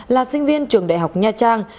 là sinh viên trường đại học nha trang